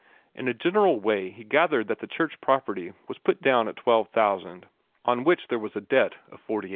In a general way he gathered that the church property was put down at $12,000, on which there was a debt of $4,800.